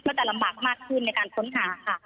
จะลำบากมากขึ้นในการค้นหาค่ะ